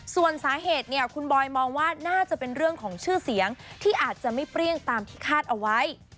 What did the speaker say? ส่วนสาเหตุเนี่ยคุณบอยมองว่าน่าจะเป็นเรื่องของชื่อเสียงที่อาจจะไม่เปรี้ยงตามที่คาดเอาไว้